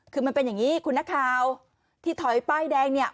คือมันเป็นอย่างนี้คุณนักข่าวที่ถอยป้ายแดงเนี่ย